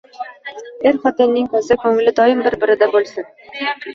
Er-xotinning ko‘zi, ko‘ngli doim bir-birida bo‘lsin.